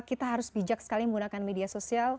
kita harus bijak sekali menggunakan media sosial